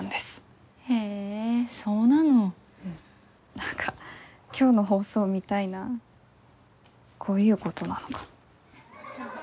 何か今日の放送みたいなこういうことなのかも。